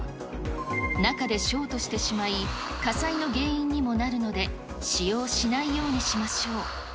中でショートしてしまい、火災の原因にもなるので、使用しないようにしましょう。